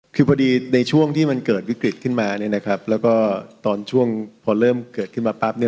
คือพอดีในช่วงที่มันเกิดวิกฤตขึ้นมาแล้วก็ตอนช่วงพอเริ่มเกิดขึ้นมาปั๊บ